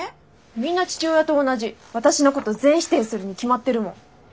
みんな父親と同じ私のこと全否定するに決まってるもん。